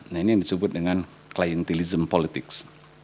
nah ini yang disebut dengan clientilism politics